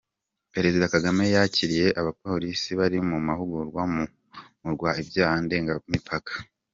Perezida Kagame yakiriye Abapolisi bari mu mahugurwa mu kurwanya ibyaha ndengamipaka